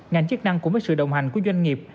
ngành chức năng của mấy sự đồng hành của doanh nghiệp